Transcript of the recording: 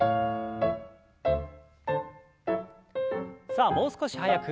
さあもう少し速く。